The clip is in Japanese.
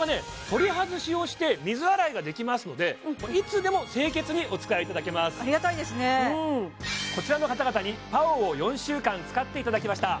取り外しをして水洗いができますのでいつでも清潔にお使いいただけますありがたいですねこちらの方々にＰＡＯを４週間使っていただきました